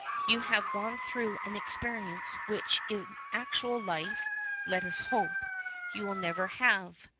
You have gone through an experience which in actual life (let us hope) you will never have.